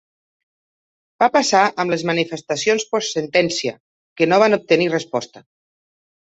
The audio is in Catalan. Va passar amb les manifestacions post-sentència, que no van obtenir resposta.